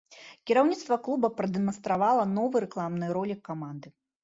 Кіраўніцтва клуба прадэманстравала новы рэкламны ролік каманды.